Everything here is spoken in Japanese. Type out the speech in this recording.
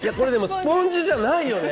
スポンジじゃないよね。